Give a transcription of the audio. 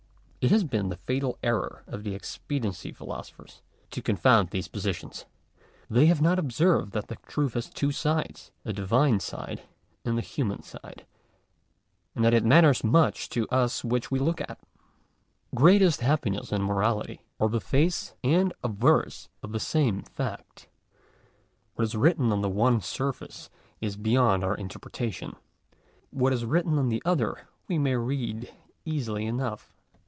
It has been the fatal error of the expediency philosophers to confound these positions. They have not observed that the truth has two sides, a Divine side and a human side ; and that it matters much to us which we look at. Greatest Happiness 1 and Morality, are the face and obverse of the same fact : what Digitized by VjOOQIC THE DIVINE IDEA, ETC. 67 is written on the one surface is beyond our interpretation: what is written on the other we may read easily enough.